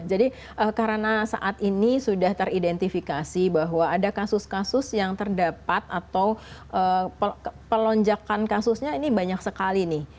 jadi karena saat ini sudah teridentifikasi bahwa ada kasus kasus yang terdapat atau pelonjakan kasusnya ini banyak sekali nih